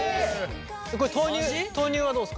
これ豆乳豆乳はどうですか？